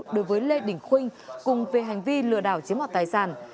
đối với lê đình khuynh cùng về hành vi lừa đảo chiếm hoạt tài sản